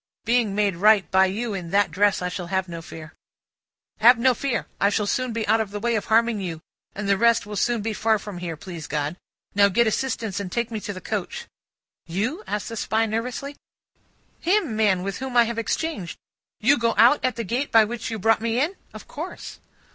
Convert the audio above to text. Being made right by you in that dress, I shall have no fear." "Have no fear! I shall soon be out of the way of harming you, and the rest will soon be far from here, please God! Now, get assistance and take me to the coach." "You?" said the Spy nervously. "Him, man, with whom I have exchanged. You go out at the gate by which you brought me in?" "Of course."